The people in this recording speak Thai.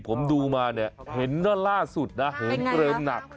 ผมดูมาเนี่ยเห็นว่าล่าสุดนะเหิมเกลิมหนัก